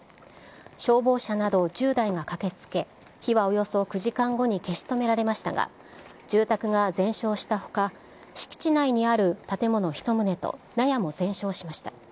消防車など１０台が駆けつけ、火はおよそ９時間後に消し止められましたが、住宅が全焼したほか、敷地内にある建物１棟と、納屋も全焼しました。